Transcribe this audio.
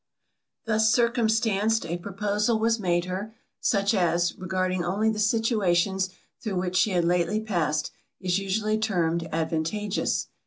Thus circumstanced, a proposal was made her, such as, regarding only the situations through which she had lately passed, is usually termed advantageous.